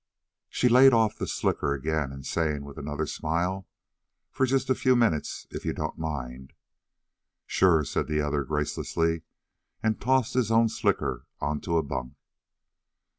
She laid off the slicker again, saying, with another smile: "For just a few minutes, if you don't mind." "Sure," said the other gracelessly, and tossed his own slicker onto a bunk.